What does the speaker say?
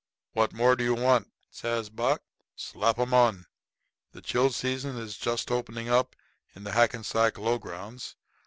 "What more do you want?" says Buck. "Slap 'em on. The chill season is just opening up in the Hackensack low grounds.